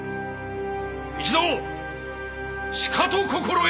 一同しかと心得よ。